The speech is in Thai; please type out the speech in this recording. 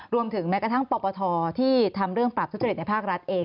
รวมถึงแม้กระทั่งปรบปฐที่ทำเรื่องฝรั่งศัตริริสต์ในภาครัฐเอง